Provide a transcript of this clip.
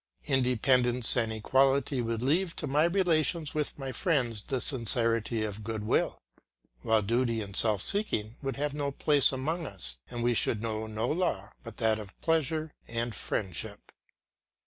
Independence and equality would leave to my relations with my friends the sincerity of goodwill; while duty and self seeking would have no place among us, and we should know no law but that of pleasure and friendship.